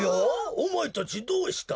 おまえたちどうした？